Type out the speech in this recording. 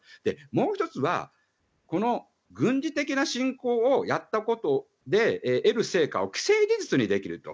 もう１つは、この軍事的な侵攻をやったことで得る成果を既成事実にできると。